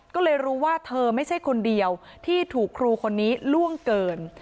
ก็เลยรู้ว่าเธอไม่ใช่คนเดียวที่ถูกครูคนนี้ล่วงเกิน